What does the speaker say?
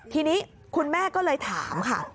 ทีนี้คุณแม่ก็เลยถามค่ะ